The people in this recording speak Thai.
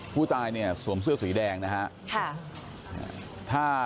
ผู้ตายเนี่ยสวมเสื้อสีแดงนะฮะ